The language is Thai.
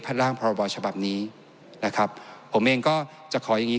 ร่างพรบฉบับนี้นะครับผมเองก็จะขออย่างงี้